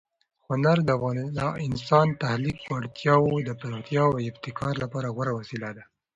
هنر د انسان د تخلیق وړتیاوو د پراختیا او ابتکار لپاره غوره وسیله ده.